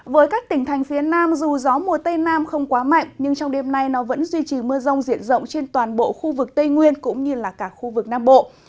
với các tỉnh thành phía nam dù gió mùa tây nam không quá mạnh nhưng trong đêm nay nó vẫn duy trì mưa rông diện rộng trên toàn bộ khu vực tây nguyên cũng như là cả khu vực nam bộ